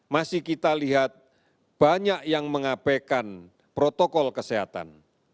masih kita lihat banyak yang mengabaikan protokol kesehatan